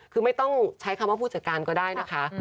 คือไม่ต้องใช้คำว่าผู้จัดการก็ได้นะคะ